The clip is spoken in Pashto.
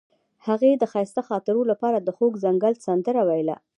هغې د ښایسته خاطرو لپاره د خوږ ځنګل سندره ویله.